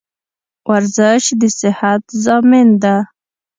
ورزش دصیحت زامین ده